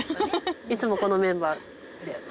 いつもこのメンバーで？